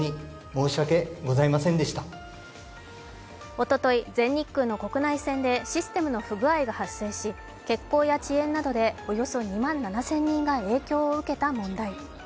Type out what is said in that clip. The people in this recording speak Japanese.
おととい、全日空の国内線でシステムの不具合が発生し欠航や遅延などでおよそ２万７０００人が影響を受けた問題。